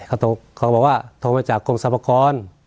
เขาบอกว่าโทรมาจากกรมสรรพากร